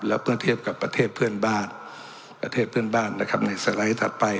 แล้วเมื่อเทียบกับประเทศเพื่อนบ้านประเทศเพื่อนบ้านนะครับในสไลด์ถัดไป